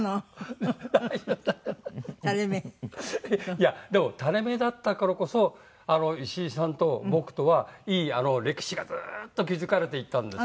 いやでも垂れ目だったからこそ石井さんと僕とはいい歴史がずっと築かれていったんですよ。